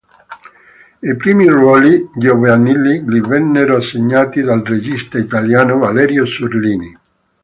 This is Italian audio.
I primi ruoli giovanili gli vennero assegnati dal regista italiano Valerio Zurlini.